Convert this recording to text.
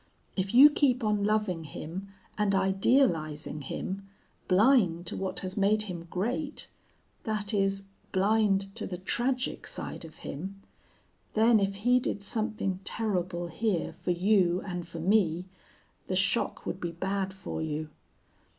If you keep on loving him and idealizing him, blind to what has made him great, that is, blind to the tragic side of him, then if he did something terrible here for you and for me the shock would be bad for you.